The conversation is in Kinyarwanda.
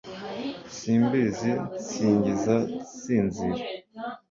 simbi nsingiza nsinzira